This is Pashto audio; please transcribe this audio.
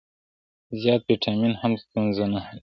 زیات ویټامین هم ستونزه نه حلوي.